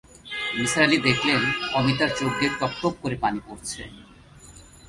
নিসার আলি দেখলেন, অমিতার চোখ দিয়ে টপটপ করে পানি পড়ছে।